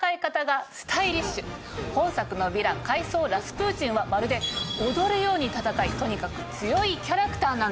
本作のヴィラン怪僧ラスプーチンはまるで踊るように戦いとにかく強いキャラクターなんです。